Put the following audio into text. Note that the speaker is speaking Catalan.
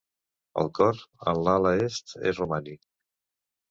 El cor, en l'ala est, és romànic.